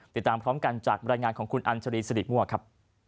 ติดตามพร้อมกันจากบรรยายงานของคุณอัญชรีสริมั่วครับ